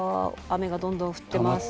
雨がどんどん降ってます。